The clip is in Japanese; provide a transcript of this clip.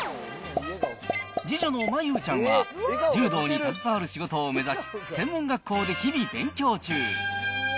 次女のマユウちゃんは、柔道に携わる仕事を目指し、専門学校で日々勉強中。